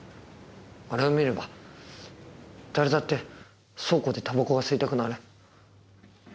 あれを見れば誰だって倉庫で煙草が吸いたくなる。